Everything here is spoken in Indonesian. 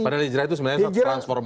padahal hijrah itu sebenarnya transformasi